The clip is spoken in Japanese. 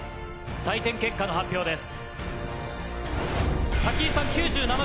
採点結果の発表です。